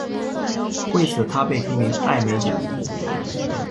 为此他被提名艾美奖。